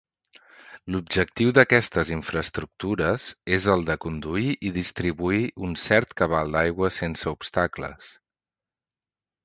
L’objectiu d’aquestes infraestructures és el de conduir i distribuir un cert cabal d’aigua sense obstacles.